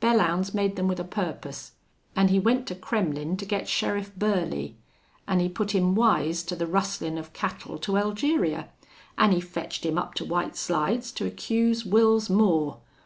Belllounds made them with a purpose.... An' he went to Kremmlin' to get Sheriff Burley. An' he put him wise to the rustlin' of cattle to Elgeria. An' he fetched him up to White Slides to accuse Wils Moore.